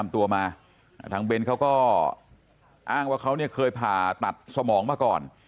ตัวมาทางเบนเขาก็อ้างว่าเขาเนี่ยเคยผ่าตัดสมองมาก่อน